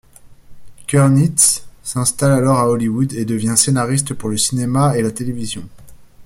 Kurnitz s'installe alors à Hollywood et devient scénariste pour le cinéma et la télévision.